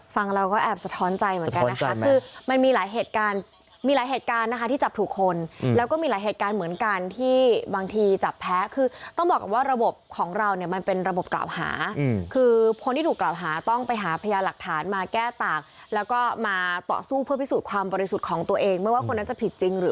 เราก็แอบสะท้อนใจเหมือนกันนะคะคือมันมีหลายเหตุการณ์มีหลายเหตุการณ์นะคะที่จับถูกคนแล้วก็มีหลายเหตุการณ์เหมือนกันที่บางทีจับแพ้คือต้องบอกก่อนว่าระบบของเราเนี่ยมันเป็นระบบกล่าวหาคือคนที่ถูกกล่าวหาต้องไปหาพยาหลักฐานมาแก้ต่างแล้วก็มาต่อสู้เพื่อพิสูจน์ความบริสุทธิ์ของตัวเองไม่ว่าคนนั้นจะผิดจริงหรือ